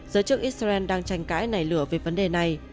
giới chức israel đang tranh cãi nảy lửa về vấn đề này